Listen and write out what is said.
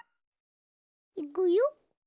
いくよ。